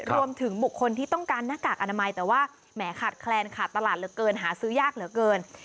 รวมถึงบุคคลที่ต้องการหน้ากากอนามัยแต่ว่าแหมขาดแคลนขาดตลาดเหลือเกินหาซื้อยากเหลือเกิน